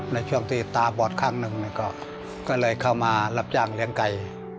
ในช่วงที่ตาบอดข้างหนึ่งก็เลยเข้ามารับจ้างเลี้ยงไก่